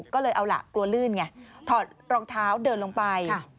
ก็เลยเอาล่ะกลัวลื่นไงถอดรองเท้าเดินลงไป